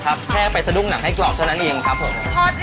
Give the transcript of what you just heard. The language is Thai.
ถ้าอย่างนั้นเดี๋ยวจะให้พี่อันลองย่าง